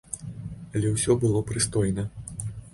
Але ўсё было прыстойна.